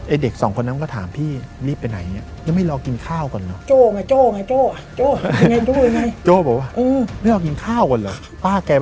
เด็กสองคนนั้นก็ถามพี่รีบไปไหนแล้วไม่รอกินข้าวก่อนเหรอ